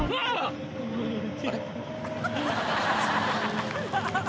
あれ？